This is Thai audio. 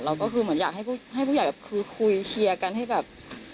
ก็คือเหมือนอยากให้ผู้ใหญ่แบบคือคุยเคลียร์กันให้แบบ